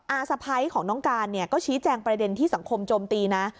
สะพ้ายของน้องการเนี่ยก็ชี้แจงประเด็นที่สังคมโจมตีนะ